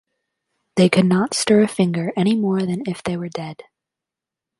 They could not stir a finger any more than if they were dead.